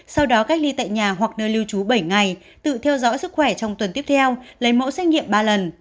sau đó cách ly tại nhà hoặc nơi lưu trú bảy ngày tự theo dõi sức khỏe trong tuần tiếp theo lấy mẫu xét nghiệm ba lần